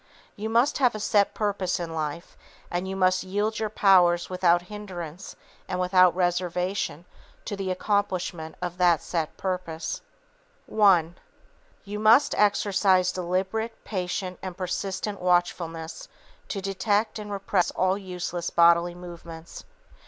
You must have a set purpose in life, and you must yield your powers without hindrance and without reservation to the accomplishment of that set purpose. [Sidenote: Five Rules for Conserving Energy] I. You must exercise deliberate, patient and persistent watchfulness to detect and repress all useless bodily movements.